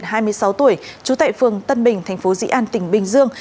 nguyễn minh nhật hai mươi sáu tuổi trú tại phường tân bình thành phố dĩ an tỉnh bình dương